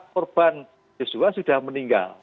korban seksual sudah meninggal